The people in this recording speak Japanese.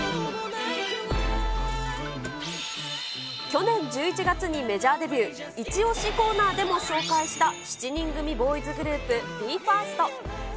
去年１１月にメジャーデビュー、イチオシコーナーでも紹介した７人組ボーイズグループ、ＢＥ：ＦＩＲＳＴ。